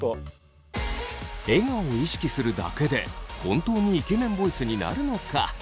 笑顔を意識するだけで本当にイケメンボイスになるのか。